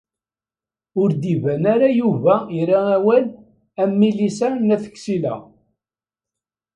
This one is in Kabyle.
Ur d-iban ara Yuba ira awal am Milisa n At Ksila.